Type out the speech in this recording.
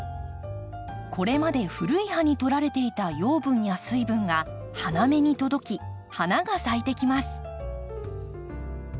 これまで古い葉にとられていた養分や水分が花芽に届き花が咲いてきます。